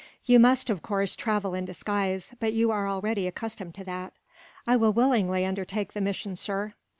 You must, of course, travel in disguise, but you are already accustomed to that." "I will willingly undertake the mission, sir."